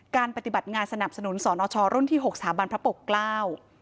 การปฏิบัติงานสนับสนุนสนชรุ่นที่๖สาบานพระปกราว